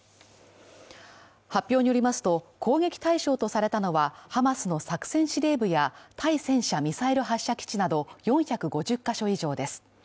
発表によりますと、攻撃対象とされたのは、ハマスの作戦司令部や対戦車ミサイル発射基地など４５０か所以上です。